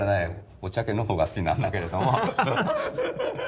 おちゃけの方が好きなんだけれども。